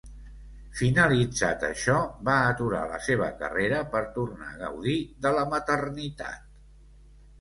Finalitzat això, va aturar la seva carrera per tornar a gaudir de la maternitat.